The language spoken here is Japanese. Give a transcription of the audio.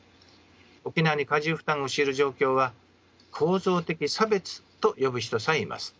沖縄に過重負担を強いる状況は構造的差別と呼ぶ人さえいます。